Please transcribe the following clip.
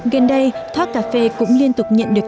gần đây talk cafe cũng liên tục nhận được